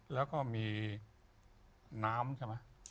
แล้วก็มีน้ำใช่ไหม